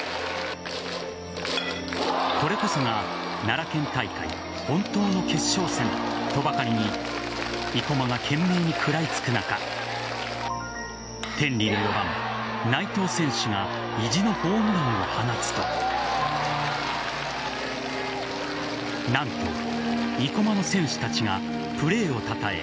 これこそが奈良県大会本当の決勝戦とばかりに生駒が懸命に食らいつく中天理の４番・内藤選手が意地のホームランを放つと何と生駒の選手たちがプレーをたたえ